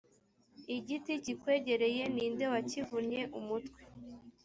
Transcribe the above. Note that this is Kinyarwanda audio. igiti kikwegereye ni nde wakivunnye umutwe